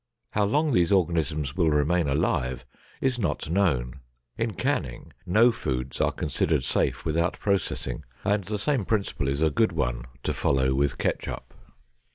How long these organisms will remain alive is not known. In canning, no foods are considered safe without processing, and the same principle is a good one to follow with ketchup.